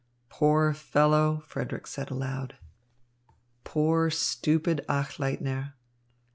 "Poor fellow," Frederick said aloud. "Poor, stupid Achleitner!"